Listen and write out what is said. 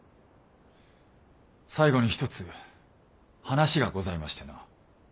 最後に一つ話がございましてな。